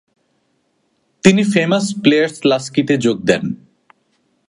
তিনি ফেমাস প্লেয়ার্স-লাস্কিতে যোগ দেন।